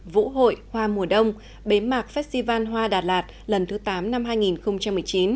vũ hội hoa mùa đông bế mạc festival hoa đà lạt lần thứ tám năm hai nghìn một mươi chín